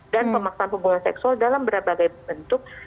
dan pemaksaan hubungan seksual dalam berbagai bentuk